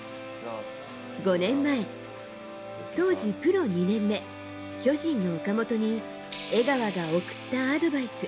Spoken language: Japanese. ５年前、当時プロ２年目巨人の岡本に江川が送ったアドバイス。